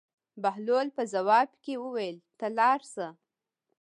بهلول په ځواب کې وویل: ته لاړ شه.